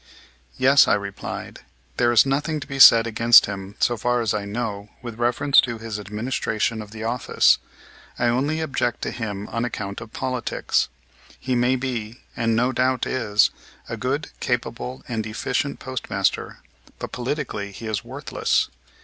"Yes," I replied, "there is nothing to be said against him, so far as I know, with reference to his administration of the office. I only object to him on account of politics. He may be, and no doubt is, a good, capable, and efficient postmaster; but politically he is worthless.